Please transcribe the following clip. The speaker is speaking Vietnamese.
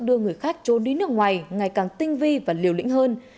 đưa người khách trốn đi nước ngoài ngày càng tinh vi và liều lĩnh hơn